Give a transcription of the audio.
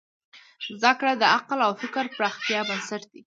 زدهکړه د عقل او فکر پراختیا بنسټ دی.